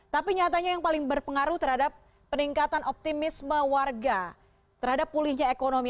tapi nyatanya yang paling berpengaruh terhadap peningkatan optimisme warga terhadap pulihnya ekonomi